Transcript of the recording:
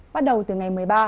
bắt đầu từ ngày một mươi ba